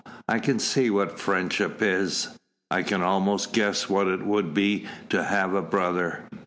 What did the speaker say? I can see what friendship is. I can almost guess what it would be to have a brother."